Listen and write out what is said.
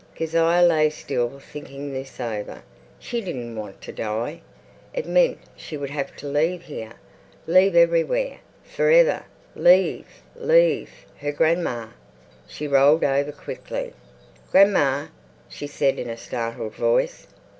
Kezia lay still thinking this over. She didn't want to die. It meant she would have to leave here, leave everywhere, for ever, leave—leave her grandma. She rolled over quickly. "Grandma," she said in a startled voice.